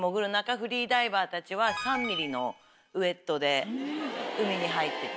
フリーダイバーたちは３ｍｍのウエットで海に入ってて。